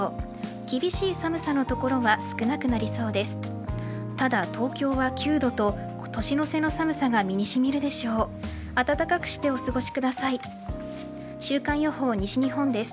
厳しい寒さの所は少なくなりそうです。